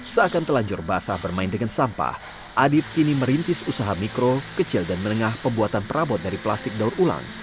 seakan telanjur basah bermain dengan sampah adit kini merintis usaha mikro kecil dan menengah pembuatan perabot dari plastik daur ulang